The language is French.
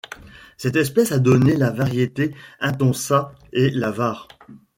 Cette espèce a donné la variété 'intonsa' et la var.